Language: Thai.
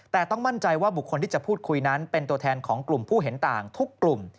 แต่ต้องมั่นใจว่าบุคคลที่จะพูดคุยนั้นเป็นตัวแทนของกลุ่มผู้เห็นต่างทุกกลุ่ม